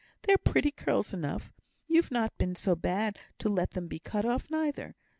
They're pretty curls enough; you've not been so bad to let them be cut off neither.